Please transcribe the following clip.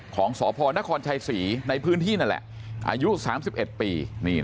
ของสพนครชัยศรีในพื้นที่นั่นแหละอายุ๓๑ปี